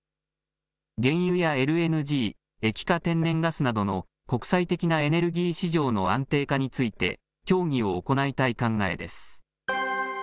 原油やＬＮＧ・液化天然ガスなどの国際的なエネルギー市場の安定化について協議を行いたい考えです。